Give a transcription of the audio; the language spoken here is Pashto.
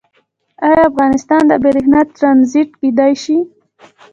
آیا افغانستان د بریښنا ټرانزیټ کیدی شي؟